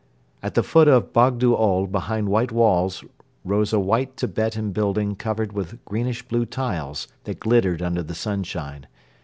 At the foot of Bogdo Ol behind white walls rose a white Tibetan building covered with greenish blue tiles that glittered under the sunshine.